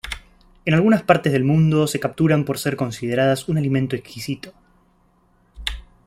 En algunas partes del mundo se capturan por ser consideradas un alimento exquisito.